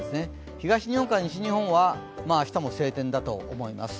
東日本から西日本は明日も晴天だと思います。